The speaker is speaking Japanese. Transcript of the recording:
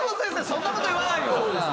そんな事言わないよ。